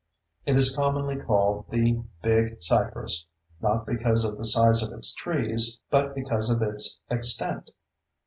It is commonly called "The Big Cypress"—not because of the size of its trees, but because of its extent.